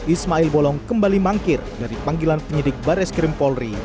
ismail bolong kembali mangkir dari panggilan penyidik baris krim polri